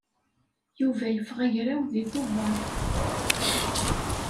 Yuba yeffeɣ agraw deg Tubeṛ.